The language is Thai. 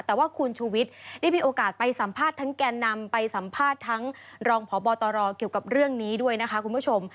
แต่ว่าคุณชูวิทย์ได้มีโอกาสไปสัมภาษณ์ทั้งแก่นำไปสัมภาษณ์ทั้งรองพบตรเกี่ยวกับเรื่องนี้ด้วยนะคะคุณผู้ชม